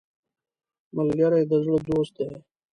ملګری د زړه دوست دی